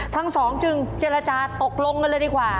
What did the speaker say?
ทั้งสองจึงเจรจาตกลงกันเลยดีกว่า